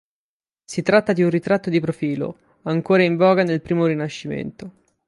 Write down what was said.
Si tratta di un ritratto di profilo, ancora in voga nel primo rinascimento.